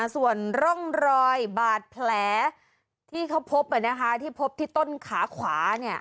ส่วนร่องรอยบาดแผลที่เขาพบที่พบที่ต้นขาขวา